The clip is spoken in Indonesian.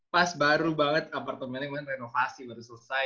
pas baru banget apartemennya kemarin renovasi baru selesai